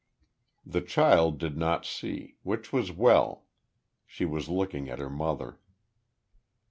The child did not see; which was well. She was looking at her mother.